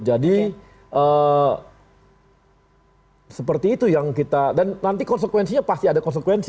jadi seperti itu yang kita dan nanti konsekuensinya pasti ada konsekuensi